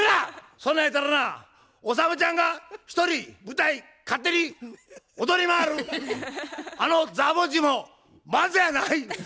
そんな言うたらなおさむちゃんが一人舞台勝手に踊り回るあのザ・ぼんちも漫才やない！